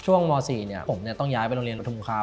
ช่วงม๔ผมต้องย้ายไปโรงเรียนปฐมภาค